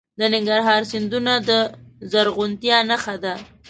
د ننګرهار سیندونه د زرغونتیا نښه ده.